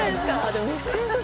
でもめっちゃ良さそう。